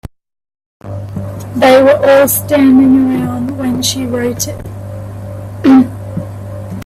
They were all standing around when she wrote it.